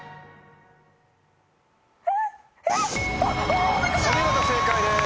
お見事正解です。